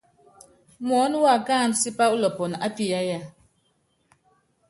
Muɔ́nɔ wákáandú tipá ulɔpɔnɔ ápiyáyaaaa.